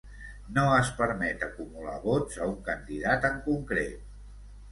No es permet acumular vots a un candidat en concret.